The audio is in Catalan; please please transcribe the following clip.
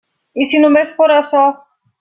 I si només fóra açò!